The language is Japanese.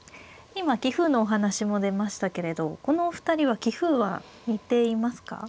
今棋風のお話も出ましたけれどこのお二人は棋風は似ていますか。